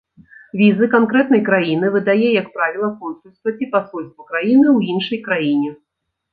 Візы канкрэтнай краіны выдае як правіла консульства ці пасольства краіны ў іншай краіне.